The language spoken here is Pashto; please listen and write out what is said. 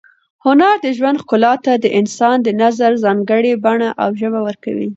هنر د ژوند ښکلا ته د انسان د نظر ځانګړې بڼه او ژبه ورکوي.